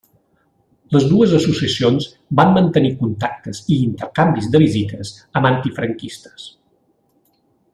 Les dues associacions van mantenir contactes i intercanvis de visites amb antifranquistes.